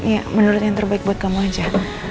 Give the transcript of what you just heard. ya menurut yang terbaik buat kamu aja